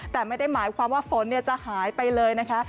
แต่ไม่ได้หมายความว่าฝนจะหายไปเลยนะคะ